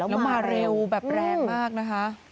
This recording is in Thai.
แล้วมาเร็วแบบแรงมากนะคะ